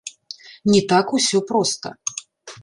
Не так усё проста.